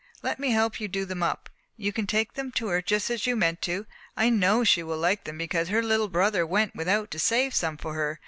Let me help you do them up. You can take them to her just as you meant to, and I know she will like them because her little brother went without to save some for her.